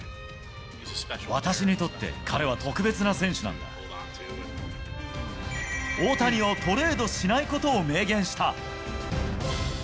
私にとって、彼は特別な選手なん大谷をトレードしないことを明言した。